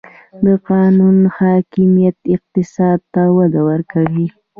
د قانون حاکمیت اقتصاد ته وده ورکوي؟